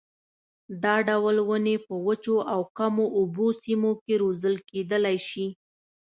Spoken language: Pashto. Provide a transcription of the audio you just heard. دا ډول ونې په وچو او کمو اوبو سیمو کې روزل کېدلای شي.